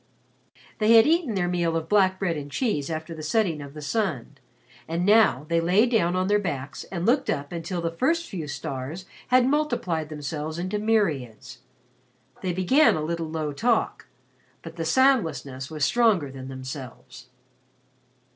They had eaten their meal of black bread and cheese after the setting of the sun, and now they lay down on their backs and looked up until the first few stars had multiplied themselves into myriads. They began a little low talk, but the soundlessness was stronger than themselves.